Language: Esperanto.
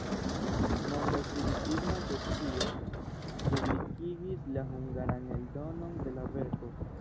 Monda Spiritisma Asocio publikigis la hungaran eldonon de la verko.